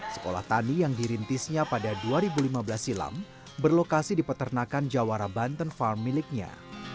sekolah tani yang dirintisnya pada dua ribu lima belas silam berlokasi di peternakan jawara banten farm miliknya